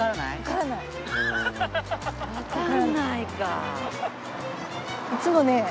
いつもね